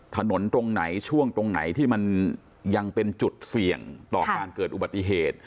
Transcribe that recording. ถนนตรงไหนช่วงตรงไหนที่มันยังเป็นจุดเสี่ยงต่อการเกิดอุบัติเหตุ